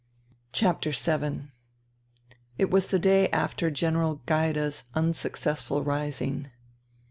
VII It was the day after General Gaida's unsuccessful rising.